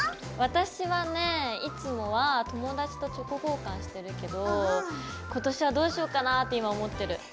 私はねいつもは友達とチョコ交換してるけど今年はどうしようかなって今思ってる。